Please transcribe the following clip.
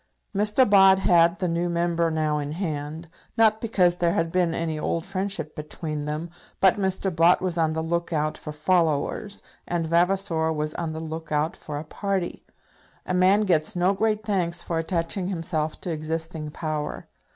Mr. Bott had the new Member now in hand, not because there had been any old friendship between them, but Mr. Bott was on the look out for followers, and Vavasor was on the look out for a party. A man gets no great thanks for attaching himself to existing power.